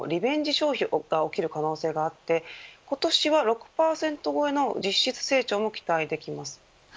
消費が起きる可能性があって今年は６％超えの実質成長も期待できます。